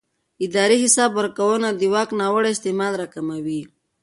اداري حساب ورکونه د واک ناوړه استعمال راکموي